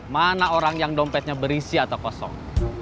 mana orang yang dompetnya berisi atau kosong